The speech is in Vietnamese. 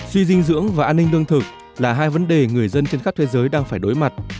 suy dinh dưỡng và an ninh lương thực là hai vấn đề người dân trên khắp thế giới đang phải đối mặt